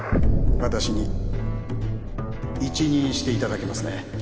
私に一任していただけますね